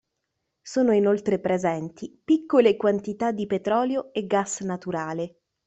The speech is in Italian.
Sono inoltre presenti piccole quantità di petrolio e gas naturale.